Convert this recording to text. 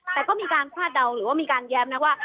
แต่ก็มีการคาดเดาหรือว่ามีการแย้มนะว่า